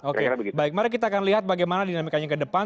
oke baik mari kita akan lihat bagaimana dinamikanya ke depan